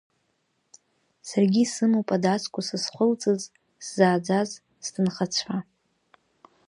Саргьы исымоуп адацқәа сызхылҵыз, сзааӡаз, сҭынхацәа.